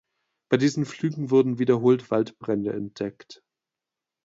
Bei diesen Flügen wurden wiederholt Waldbrände entdeckt.